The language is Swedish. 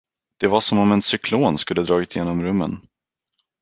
Det var som om en cyklon skulle dragit genom rummen.